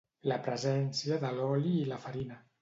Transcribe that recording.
la presència de l'oli i la farina